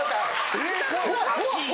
・おかしいと。